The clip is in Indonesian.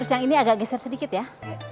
terus yang ini agak geser sedikit ya